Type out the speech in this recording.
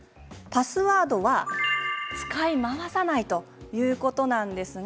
パスワードは使い回さないということですね。